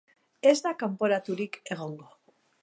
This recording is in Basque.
Ez da kanporaturik egon.